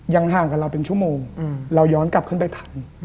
ห่างกับเราเป็นชั่วโมงเราย้อนกลับขึ้นไปทัน